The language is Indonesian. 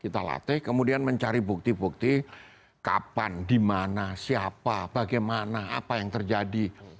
kita latih kemudian mencari bukti bukti kapan di mana siapa bagaimana apa yang terjadi